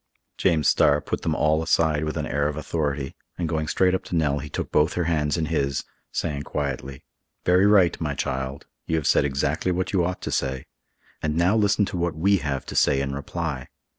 James Starr put them all aside with an air of authority, and, going straight up to Nell, he took both her hands in his, saying quietly, "Very right, my child; you have said exactly what you ought to say; and now listen to what we have to say in reply.